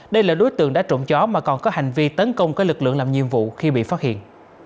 đây là đối tượng đã trộm chó mà còn có hành vi tấn công các lực lượng làm nhiệm vụ khi bị phát hiện